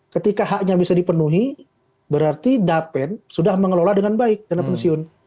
ketika haknya bisa dipenuhi berarti dapen sudah mengelola dengan baik dana pensiun